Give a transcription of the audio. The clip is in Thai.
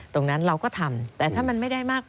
ตรงนั้นเราก็ทำแต่ถ้ามันไม่ได้มากพอ